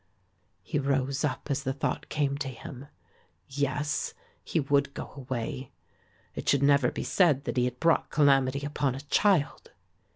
He rose up as the thought came to him; yes, he would go away; it should never be said that he had brought calamity upon a child.